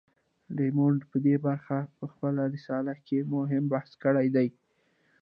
ډایمونډ په دې اړه په خپله رساله کې مهم بحث کړی دی.